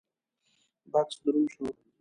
بکس دروند شو: